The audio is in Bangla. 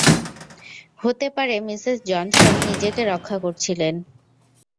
হতে পারে মিসেস জনসন নিজেকে রক্ষা করছিলেন।